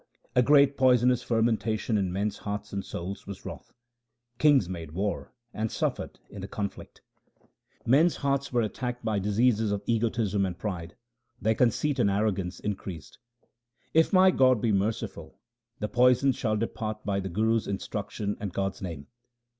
A great poisonous fermentation in men's hearts and souls was wrath ; kings made war and suffered in the conflict. 1 Who deal in the Name, holy men. HYMNS OF GURU RAM DAS 313 Men's hearts were attacked by the diseases of egotism and pride ; their conceit and arrogance increased. If my God be merciful, the poison shall depart by the Guru's instruction and God's name.